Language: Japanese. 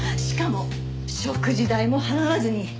しかも食事代も払わずに！